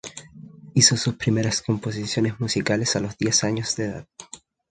Hizo sus primeras composiciones musicales a los diez años de edad.